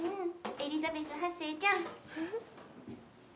エリザベス８世ちゃん。